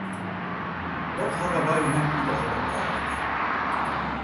Dat hawwe wy him út 'e holle prate kinnen.